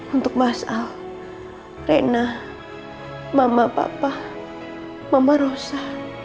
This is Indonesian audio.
untuk mas al rena mama papa mama rosa